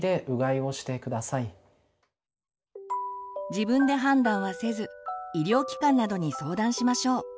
自分で判断はせず医療機関などに相談しましょう。